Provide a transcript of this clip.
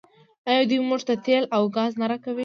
آیا دوی موږ ته تیل او ګاز نه راکوي؟